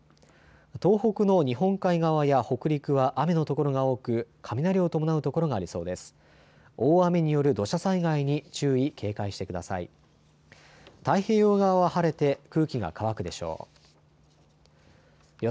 東北の日本海側や北陸は雨の所が多く、雷を伴う所がありそうです。